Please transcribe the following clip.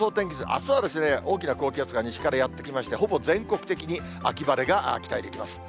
あすは大きな高気圧が西からやって来まして、ほぼ全国的に秋晴れが期待できます。